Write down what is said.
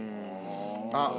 あっ！